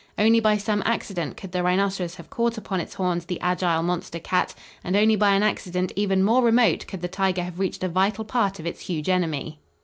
Only by some accident could the rhinoceros have caught upon its horns the agile monster cat, and only by an accident even more remote could the tiger have reached a vital part of its huge enemy.